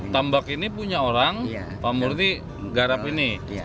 tambak ini punya orang pak murni garap ini